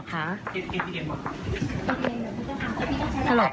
ฮัลโหลค่ะ